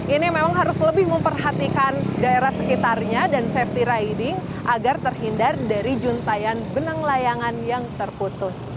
ini memang harus lebih memperhatikan daerah sekitarnya dan safety riding agar terhindar dari juntayan benang layangan yang terputus